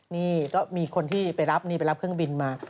นี่ก็มีคนที่ไปรับเครื่องบินมา